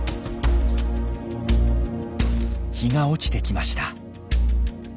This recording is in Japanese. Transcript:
日が落ちてきました。